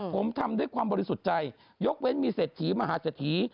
ผมทำด้วยความบริสุทธิ์ใจยกเว้นมีเศรษฐีมหาเศรษฐี